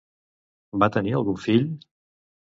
Va tenir algun fill?